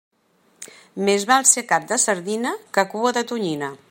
Més val ser cap de sardina que cua de tonyina.